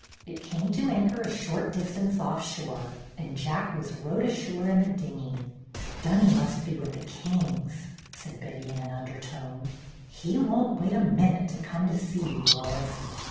It came to anchor a short distance off shore, and Jack was rowed ashore in the dinghy. "Dunny must be with the Kings," said Betty in an undertone. "He won't wait a minute to come to see you, Lois."